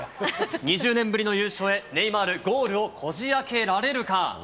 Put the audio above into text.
２０年ぶりの優勝へ、ネイマール、ゴールをこじあけられるか。